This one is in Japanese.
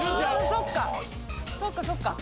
そっかそっか。